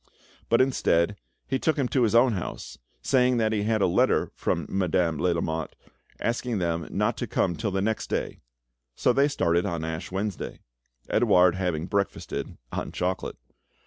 But, instead, he took him to his own house, saying that he had a letter from Madame de Lamotte asking them not to come till the next day; so they started on Ash Wednesday, Edouard having breakfasted on chocolate.